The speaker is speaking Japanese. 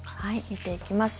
見ていきます。